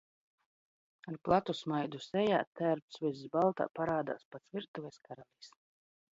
Ar platu smaidu sej?, t?rpts viss balt?, par?d?s pats virtuves karalis D